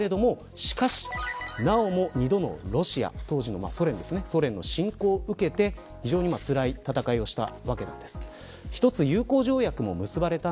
しかし、なおも２度のロシア当時のソ連の侵攻を受けて非常につらい戦いをしました。